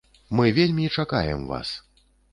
Мы вельмі чакаем вас!